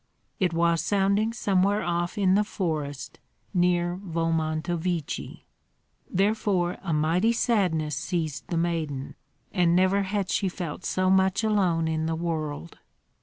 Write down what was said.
it was sounding somewhere off in the forest, near Volmontovichi. Therefore a mighty sadness seized the maiden, and never had she felt so much alone in the world.